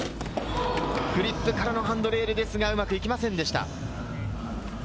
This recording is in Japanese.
フリップからのハンドレールですが、うまくいきませんでした。